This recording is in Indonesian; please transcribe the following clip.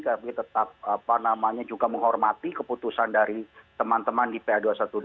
tapi tetap juga menghormati keputusan dari teman teman di pa dua ratus dua belas